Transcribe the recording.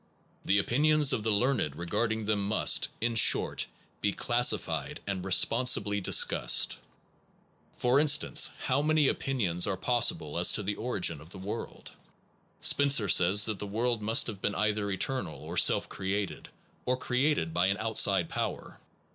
The opinions of the learned regarding them must, in short, be classified and responsibly discussed. For in 32 THE PROBLEMS OF METAPHYSICS stance, how many opinions are possible as to the origin of the world? Spencer says that the world must have been either eternal, or self created, or created by an outside power.